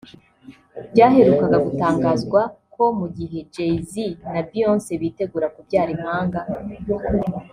Byaherukaga gutangazwa ko mu gihe Jay Z na Beyonce bitegura kubyara impanga